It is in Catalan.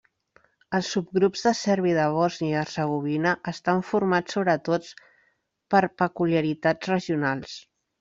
Els subgrups de serbis de Bòsnia i Hercegovina estan formats sobretot per peculiaritats regionals.